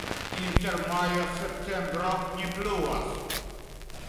Inter majo-septembro ne pluvas.